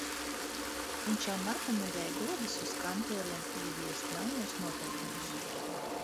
Viņš jau nākamnedēļ dodas uz kantoriem ieviest jaunos noteikumus.